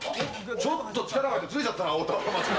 ちょっと力が入ってズレちゃったな。